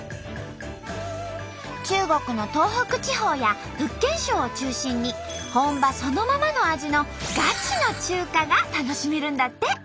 中国の東北地方や福建省を中心に本場そのままの味のガチの中華が楽しめるんだって！